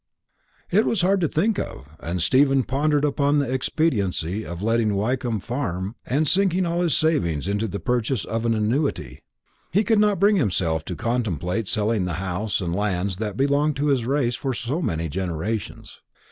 It was a hard thing to think of, and Stephen pondered upon the expediency of letting off Wyncomb Farm, and sinking all his savings in the purchase of an annuity. He could not bring himself to contemplate selling the house and lands that had belonged to his race for so many generations.